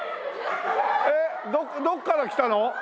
えっどっから来たの？